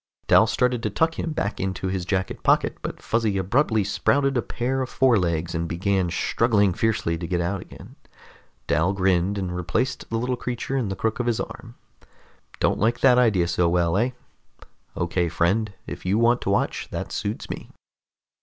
Dal started to tuck him back into his jacket pocket, but Fuzzy abruptly sprouted a pair of forelegs and began struggling fiercely to get out again. Dal grinned and replaced the little creature in the crook of his arm. "Don't like that idea so well, eh? Okay, friend. If you want to watch, that suits me."